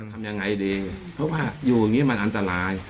ทำยังไงดีเพราะว่าอยู่อย่างนี้มันอันตราย